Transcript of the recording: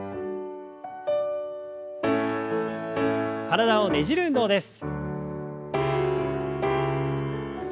体をねじる運動です。